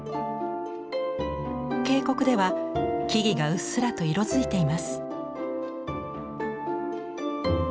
渓谷では木々がうっすらと色づいています。